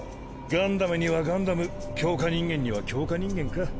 ガンダムにはガンダム強化人間には強化人間か。